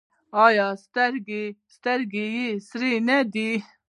ایا سترګې یې سرې نه دي؟